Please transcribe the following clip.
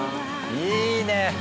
いいね！